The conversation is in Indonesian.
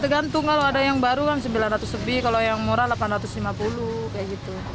tergantung kalau ada yang baru kan sembilan ratus lebih kalau yang murah rp delapan ratus lima puluh kayak gitu